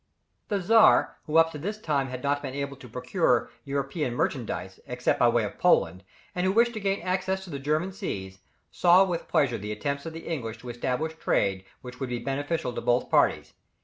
] The Czar, who up to this time, had not been able to procure European merchandise, except by way of Poland, and who wished to gain access to the German seas, saw with pleasure the attempts of the English to establish a trade which would be beneficial to both parties.